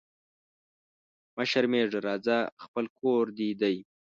مه شرمېږه راځه خپل کور دي دی